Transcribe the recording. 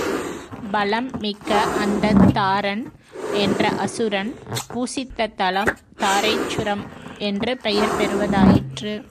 பலம் மிக்க அந்தத் தாரன் என்ற அசுரன் பூசித்த தலம் தாரேச்சுரம் என்று பெயர் பெறுவதாயிற்று.